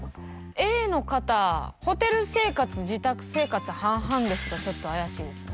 Ａの方「ホテル生活自宅生活」「半々です」がちょっと怪しいですね